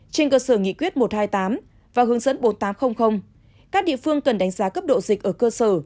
trên cơ sở nghị quyết một trăm hai mươi tám và hướng dẫn bốn nghìn tám trăm linh các địa phương cần đánh giá cấp độ dịch ở cơ sở